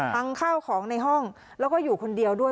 ข้าวของในห้องแล้วก็อยู่คนเดียวด้วย